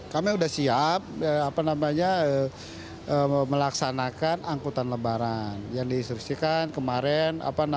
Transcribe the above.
kami sudah siap melaksanakan angkutan lebaran yang diinstruksikan kemarin